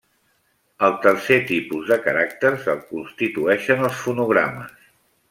El tercer tipus de caràcters el constitueixen els fonogrames.